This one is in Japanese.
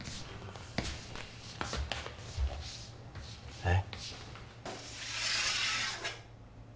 えっ？